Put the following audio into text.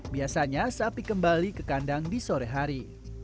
biasanya sapi kembali ke kandang di sore hari